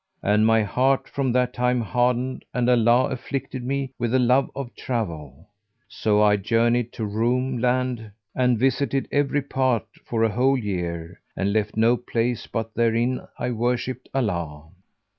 And my heart from that time hardened and Allah afflicted me with the love of travel. So I journeyed to Roum land and visited every part for a whole year, and left no place but therein I worshiped Allah.